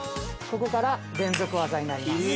ここから連続技になります。